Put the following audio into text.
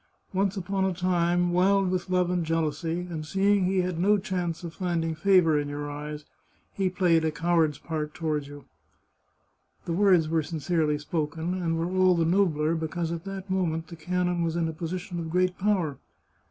Once upon a time, wild with love and jealousy, and seeing he had no chance of finding favour in your eyes, he played a cow ard's part toward you." The words were sincerely spoken, and were all the nobler because at that moment the canon was in a position of great power.